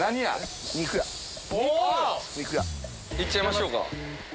行っちゃいましょうか。